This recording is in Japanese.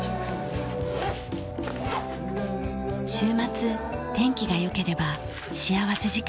週末天気が良ければ幸福時間になります。